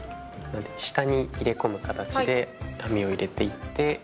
下に入れ込む形で網を入れていって。